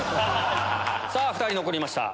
さぁ２人残りました。